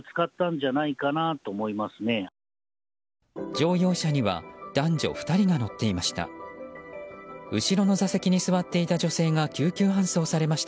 乗用車には男女２人が乗っていました。